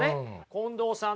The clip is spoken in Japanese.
近藤さん